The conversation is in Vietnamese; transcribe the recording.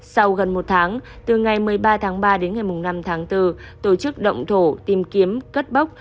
sau gần một tháng từ ngày một mươi ba tháng ba đến ngày năm tháng bốn tổ chức động thổ tìm kiếm cất bốc